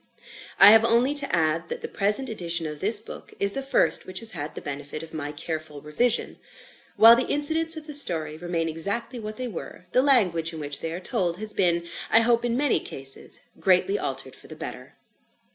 I have only to add, that the present edition of this book is the first which has had the benefit of my careful revision. While the incidents of the story remain exactly what they were, the language in which they are told has been, I hope, in many cases greatly altered for the better.